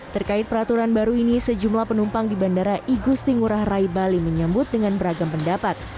terkait peraturan baru ini sejumlah penumpang di bandara igusti ngurah rai bali menyambut dengan beragam pendapat